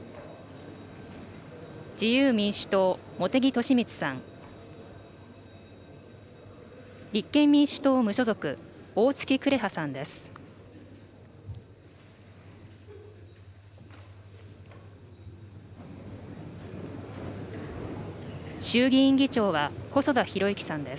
自由民主党、茂木敏充さん、立憲民主党・無所属、おおつき紅葉さんです。